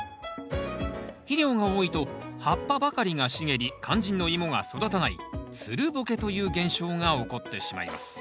肥料が多いと葉っぱばかりが茂り肝心のイモが育たないつるボケという現象が起こってしまいます。